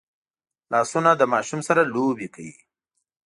لاسونه له ماشوم سره لوبې کوي